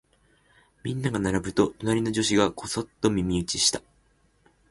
みんなが並ぶと、隣の女子がこそっと耳打ちした。